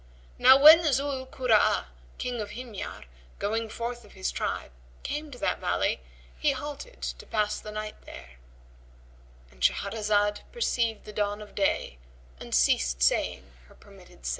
Now when Zъ 'l Kurб'a,[FN#130] King of Himyar, going forth of his tribe, came to that valley, he halted to pass the night there,—And Shahrazad perceived the dawn of day and ceased say